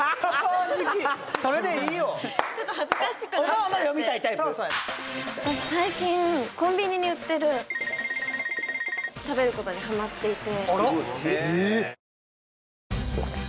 それでいいよちょっと恥ずかしくなっちゃって私最近コンビニに売ってる○○食べることにハマっていて